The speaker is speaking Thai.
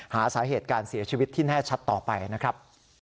หาสาเหตุการเสียชีวิตที่แน่ชัดต่อไปนะครับ